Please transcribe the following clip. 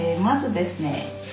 まずですね